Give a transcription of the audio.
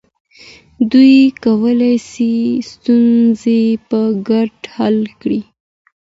دوی کولی سي ستونزې په ګډه حل کړي.